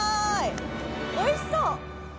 おいしそう。